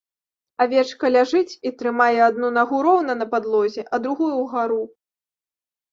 Авечка ляжыць і трымае адну нагу роўна на падлозе, а другую ўгару.